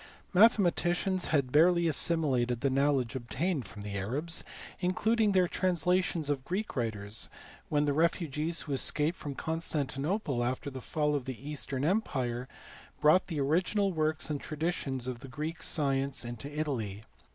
Mathe maticians had barely assimilated the knowledge obtained from the Arabs, including their translations of Greek writers, when the refugees who escaped from Constantinople after the fall of the eastern empire brought the original works and the tradi tions of Greek science into Italy.